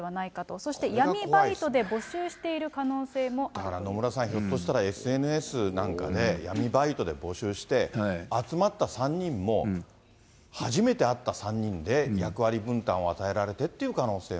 そして闇バイトで募集している可だから野村さん、ひょっとしたらＳＮＳなんかで、闇バイトで募集して、集まった３人も、初めて会った３人で役割分担を与えられてっていう可能性も。